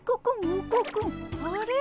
あれ？